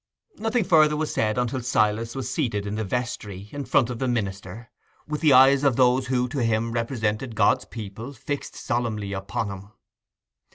Nothing further was said until Silas was seated in the vestry, in front of the minister, with the eyes of those who to him represented God's people fixed solemnly upon him.